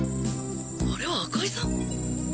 あれは赤井さん？